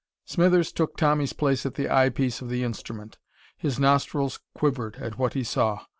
Smithers took Tommy's place at the eye piece of the instrument. His nostrils quivered at what he saw.